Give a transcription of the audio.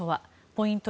ポイント